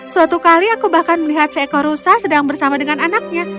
suatu kali aku bahkan melihat seekor rusa sedang bersama dengan anaknya